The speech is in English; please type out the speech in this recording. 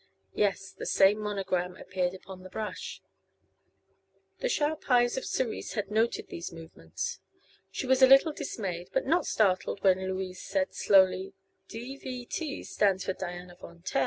Yes, the same monogram appeared upon the brush. The sharp eyes of Cerise had noted these movements. She was a little dismayed but not startled when Louise said, slowly: "'D.v.T.' stands for Diana Von Taer.